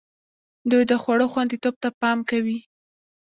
دوی د خوړو خوندیتوب ته پام کوي.